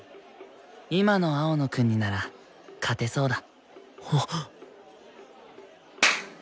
今の青野くんになら勝てそうだ。